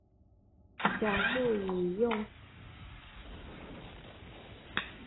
脚注引用